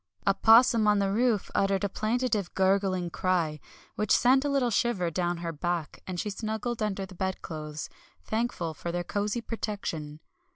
A 'possum on the roof uttered a plaintive gurgling cry, which sent a little shiver down her back, and she snuggled under the bedclothes, thankful for their cosy protection.